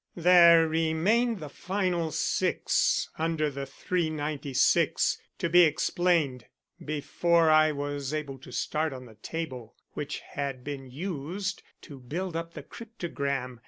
"There remained the final 6, under the 396, to be explained, before I was able to start on the table which had been used to build up the cryptogram.